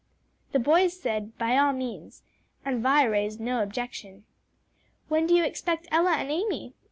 The boys said "By all means," and Vi raised no objection. "When do you expect Ella and Amy?"